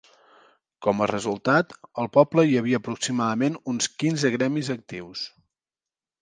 Com a resultat, al poble hi havia aproximadament uns quinze gremis actius.